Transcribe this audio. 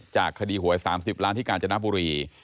คดีหวย๓๐ล้านที่กาญจนบุรี